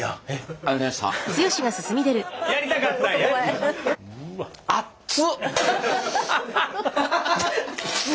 あっつ！